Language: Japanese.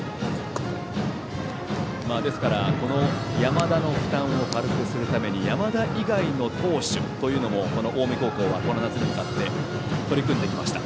ですから山田の負担を軽くするために山田以外の投手というのも近江高校はこの夏に向かって取り組んできました。